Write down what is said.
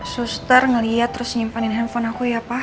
suster ngelihat terus nyimpanin handphone aku ya pak